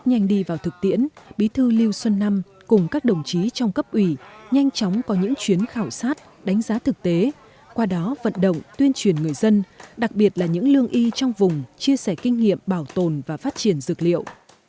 nhanh đi vào thực tiễn bí thư lưu xuân năm cùng các đồng chí trong cấp ủy nhanh chóng có những chuyến khảo sát đánh giá thực tế qua đó vận động tuyên truyền người dân đặc biệt là những lương y trong vùng chia sẻ kinh nghiệm bảo tồn và phát triển dược liệu